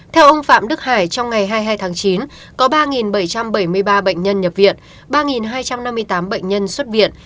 theo ông phạm đức hải trong ngày hai mươi hai tháng chín có ba bảy trăm bảy mươi ba bệnh nhân nhập viện ba hai trăm năm mươi tám bệnh nhân xuất viện